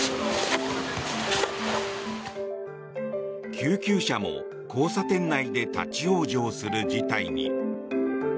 救急車も交差点内で立ち往生する事態に。